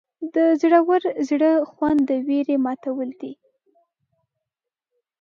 د زړور زړه خوند د ویرې ماتول دي.